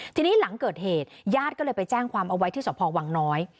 ทีนี้หลังเกิดเหตุญาติก็เลยไปแจ้งความเอาไว้ที่สพวังน้อย